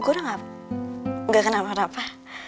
gue udah gak gak kena marah apa